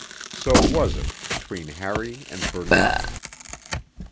So was it between Harry and Burnett.